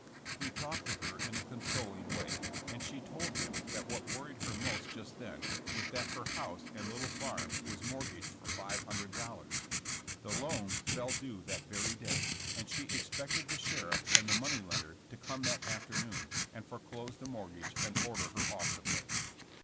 He talked to her in a consoling way, and she told him that what worried her most just then was that her house and little farm was mortgaged for five hundred dol 76 JESSiO JAMKS. lars, the loan fell due that very day, and she expected the sheriff and the money lender to come that after noon, and foreclose the mortgage and order her off the place.